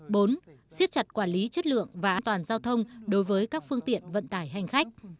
bốn xiết chặt quản lý chất lượng và an toàn giao thông đối với các phương tiện vận tải hành khách